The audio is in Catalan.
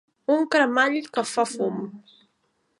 Un cremall que fa fum.